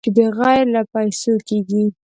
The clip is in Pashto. چې بغیر له پېسو کېږي.